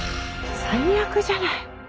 最悪じゃない。